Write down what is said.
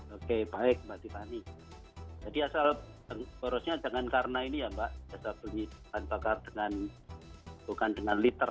oke baik mbak titani jadi asal borosnya jangan karena ini ya mbak asal punya tanpa kar dengan bukan dengan liter